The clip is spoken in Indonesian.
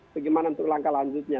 bagaimana untuk langkah lanjutnya